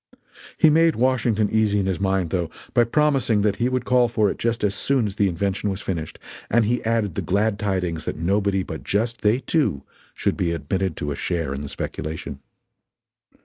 He made Washington easy in his mind, though, by promising that he would call for it just as soon as the invention was finished, and he added the glad tidings that nobody but just they two should be admitted to a share in the speculation.